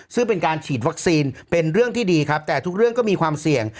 ซึ่งเป็นการฉีดวัคซีนเป็นเรื่องที่ดีครับแต่ทุกเรื่องก็มีความเสี่ยง